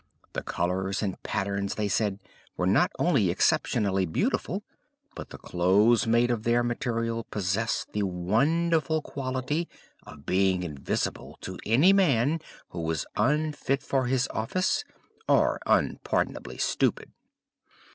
Their colours and patterns, they said, were not only exceptionally beautiful, but the clothes made of their material possessed the wonderful quality of being invisible to any man who was unfit for his office or unpardonably stupid.